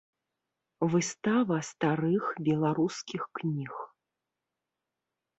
Выстава старых беларускіх кніг.